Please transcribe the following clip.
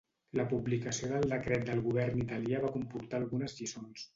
La publicació del decret del govern italià va comportar algunes lliçons.